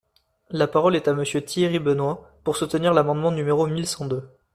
La parole est à Monsieur Thierry Benoit, pour soutenir l’amendement numéro mille cent deux.